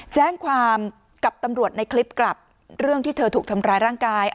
แจ้งความกับตำรวจในคลิปกลับเรื่องที่เธอถูกทำร้ายร่างกาย